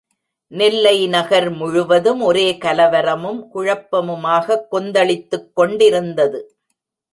நெல்லை நகர் முழுவதும் ஒரே கலவரமும் குழப்பமுமாகக் கொந்தளித்துக் கொண்டிருந்தது.